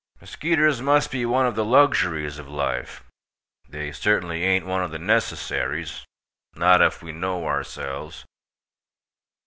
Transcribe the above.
Muskeeters must be one ov the luxurys ov life, they certainly aint one ov the necessarys, not if we kno ourselfs.